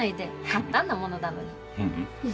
簡単なものだのに。